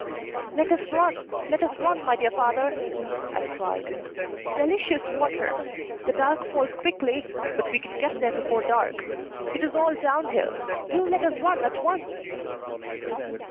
"Let us run, let us run, my dear father!" I cried. "Delicious water! The dark falls quickly; but we can get there before dark. It is all down hill. Oh, do let us run at once!"